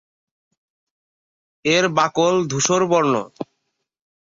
এর বাকল ধূসর বর্ণ।